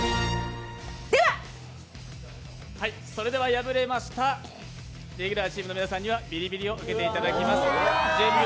敗れましたレギュラーチームの皆さんにはビリビリを受けていただきます。